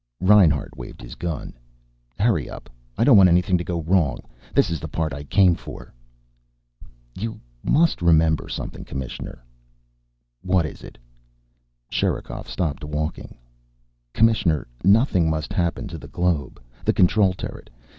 Reinhart waved his gun. "Hurry up. I don't want anything to go wrong. This is the part I came for." "You must remember something, Commissioner." "What is it?" Sherikov stopped walking. "Commissioner, nothing must happen to the globe. The control turret.